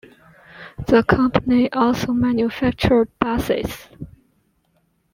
The company also manufactured buses.